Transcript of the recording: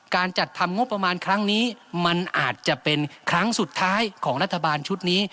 การจัดทำงบประมาณครั้งนี้มันอาจจะเป็นครั้งสุดท้ายของรัฐบาลชุดนี้